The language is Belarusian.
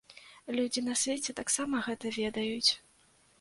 Людзі на свеце таксама гэта ведаюць.